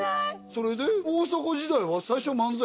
それで大阪時代は最初漫才？